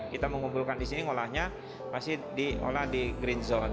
kita mengumpulkan di sini ngolahnya pasti diolah di green zone